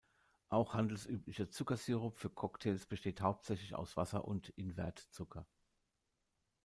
Auch handelsüblicher Zuckersirup für Cocktails besteht hauptsächlich aus Wasser und Invertzucker.